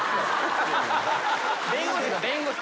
弁護士だ弁護士。